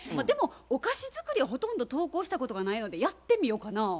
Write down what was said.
でもお菓子作りほとんど投稿したことがないのでやってみようかな。